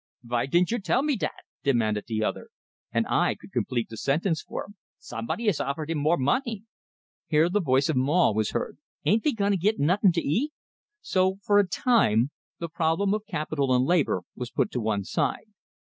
"Vy didn't you tell me dat?" demanded the other; and I could complete the sentence for him: "Somebody has offered him more money!" Here the voice of Maw was heard: "Ain't we gonna git nuttin' to eat?" So for a time the problem of capital and labor was put to one side.